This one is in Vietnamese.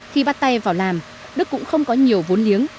khi bắt tay vào làm đức cũng không có nhiều vốn liếng